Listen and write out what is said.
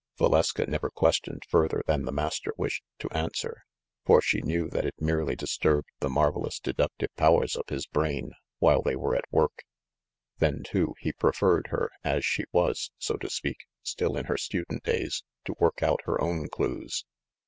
Valeska never questioned further than the Master wished to answer ; for she knew that it merely dis turbed the marvelous deductive powers of his brain while they were at work ; then, too, he preferred her, as THE MACDOUGAL STREET AFFAIR 59 she was, so to speak, still in her student days, to work out her own clues.